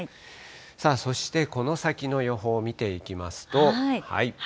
さあそして、この先の予報見ていきますと。